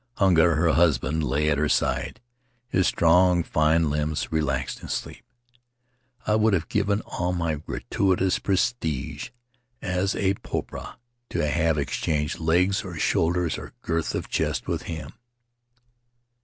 Hunga, her husband, lay at her side, his strong, fine limbs relaxed in sleep. I would have given all my gratuitous prestige as a popaa to have exchanged legs or shoulders or girth of chest with him.